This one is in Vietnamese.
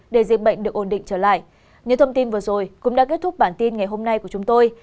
để diện bệnh được ổn định trở lại